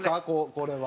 これは。